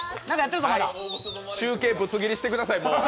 中継ぶつ切りしてください、もう。